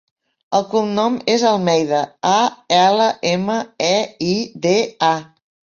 El cognom és Almeida: a, ela, ema, e, i, de, a.